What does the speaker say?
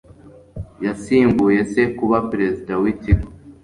yasimbuye se kuba perezida w'ikigo